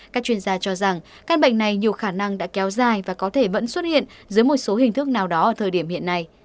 các chuyên gia cho rằng căn bệnh này nhiều khả năng đã kéo dài và có thể vẫn xuất hiện dưới một số hình thức nào đó ở thời điểm hiện nay